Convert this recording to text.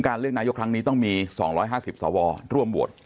การเลือกนายกครั้งนี้ต้องมีสองร้อยห้าสิบสวรรร์รวมโวด